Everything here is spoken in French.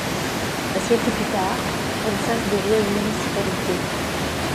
Un siècle plus tard, Kansas devient une municipalité.